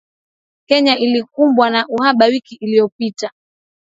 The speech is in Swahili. Kenya ilikumbwa na uhaba wiki iliyopita